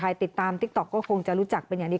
ติดตามติ๊กต๊อกก็คงจะรู้จักเป็นอย่างนี้